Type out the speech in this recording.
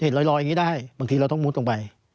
ลอยอย่างนี้ได้บางทีเราต้องมุดลงไป